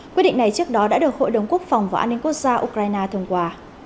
quyết định này trước đó đã được hội đồng quốc phòng và an ninh quốc gia ukraine thường quả